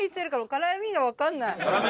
辛みがわかんない？